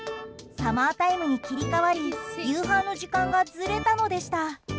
サマータイムに切り替わり夕飯の時間がずれたのでした。